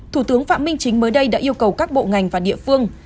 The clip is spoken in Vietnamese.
thủ tướng phạm minh chính mới đây đã yêu cầu các bộ ngành và địa phương